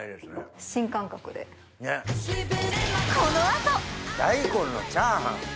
この後大根のチャーハン？